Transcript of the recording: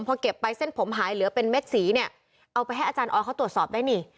พอเก็บไปเส้นผมหายเหลือเป็นเม็ดสีเนี่ยเอาไปให้อาจารย์ออสเขาตรวจสอบได้นี่